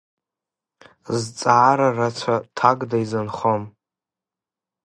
Зҵаара рацәа ҭакда изынхон.